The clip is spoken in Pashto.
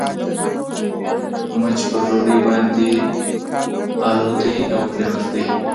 مچ پر ډوډۍ باندي البوتی او کښېناستی.